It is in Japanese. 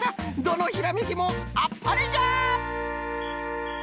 どのひらめきもあっぱれじゃ！